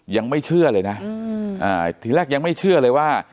ยังไม่เชื่อเลยนะทีแรกยังไม่เชื่อเลยว่า